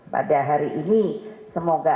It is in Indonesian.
pada hari ini semoga